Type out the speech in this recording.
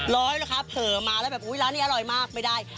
ร้อยเหรอคะเผลอมาแล้วแบบอุ๊ยร้านนี้อร่อยมากไม่ได้